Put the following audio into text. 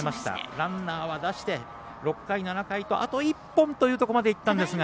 ランナーは出して６回、７回とあと１本というところまでいったんですが。